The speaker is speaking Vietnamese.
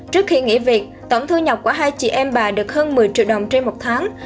trước khi nghỉ việc tổng thu nhập của hai chị em bà được hơn một mươi triệu đồng trên một tháng